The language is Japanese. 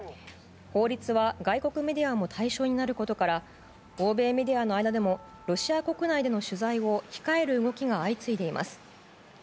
法律は外国メディアも対象になることから欧米メディアの間でもロシア国内での取材を控える動きが相次いでいます。